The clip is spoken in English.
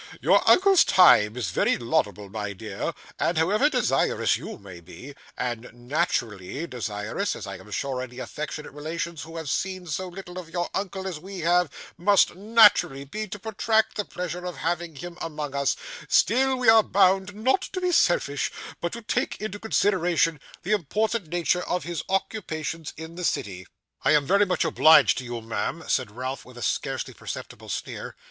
'Your uncle's time is very valuable, my dear; and however desirous you may be and naturally desirous, as I am sure any affectionate relations who have seen so little of your uncle as we have, must naturally be to protract the pleasure of having him among us, still, we are bound not to be selfish, but to take into consideration the important nature of his occupations in the city.' 'I am very much obliged to you, ma'am,' said Ralph with a scarcely perceptible sneer.